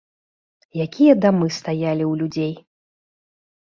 Якія дамы стаялі ў людзей!